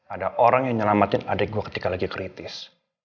ada orang yang nyelamatin adik gue ketika lagi kritis